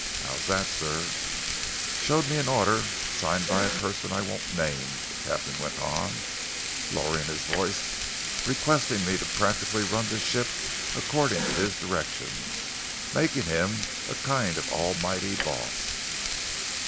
"How's that, sir?" "Showed me an order, signed by a person I won't name," the captain went on, lowering his voice, "requesting me to practically run the ship according to his directions making him a kind of Almighty boss."